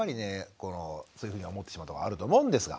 このそういうふうに思ってしまうとこあると思うんですが。